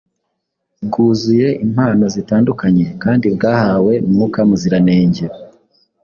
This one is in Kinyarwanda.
bwuzuye impano zitandukanye kandi bwahawe Mwuka Muziranenge.